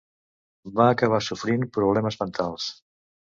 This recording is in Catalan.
Va acabar sofrint problemes mentals.